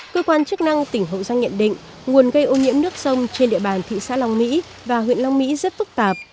cơ quan chức năng tỉnh hậu giang nhận định nguồn gây ô nhiễm nước sông trên địa bàn thị xã long mỹ và huyện long mỹ rất phức tạp